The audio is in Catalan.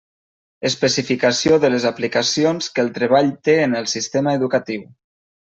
Especificació de les aplicacions que el treball té en el sistema educatiu.